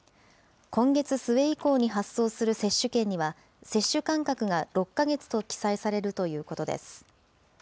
今月末以降に発送する接種券には、接種間隔が６か月と記載されるということです。